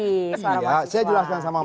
iya saya jelaskan sama